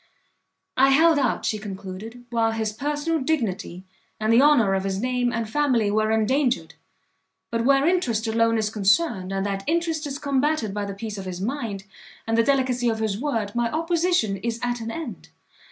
"I held out," she concluded, "while his personal dignity, and the honour of his name and family were endangered; but where interest alone is concerned, and that interest is combated by the peace of his mind, and the delicacy of his word, my opposition is at an end.